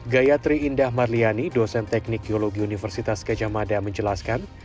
gayatri indah marliani dosen teknik geologi universitas kejamada menjelaskan